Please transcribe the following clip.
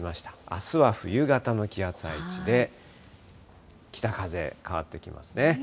あすは冬型の気圧配置で、北風変わってきますね。